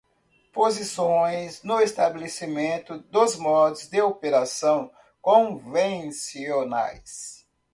Posições no estabelecimento dos modos de operação convencionais.